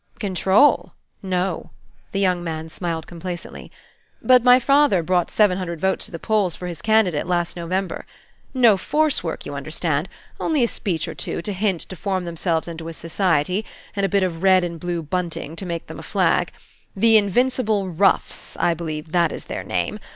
"Control? No." The young man smiled complacently. "But my father brought seven hundred votes to the polls for his candidate last November. No force work, you understand, only a speech or two, a hint to form themselves into a society, and a bit of red and blue bunting to make them a flag. The Invincible Roughs, I believe that is their name.